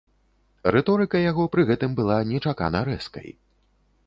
Рыторыка яго пры гэтым была нечакана рэзкай.